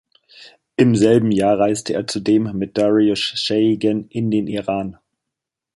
Im selben Jahr reiste er zudem mit Dariush Shayegan in den Iran.